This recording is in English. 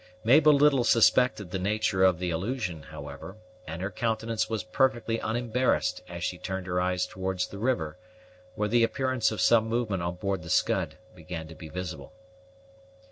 Mabel little suspected the nature of the allusion, however; and her countenance was perfectly unembarrassed as she turned her eyes towards the river, where the appearance of some movement on board the Scud began to be visible.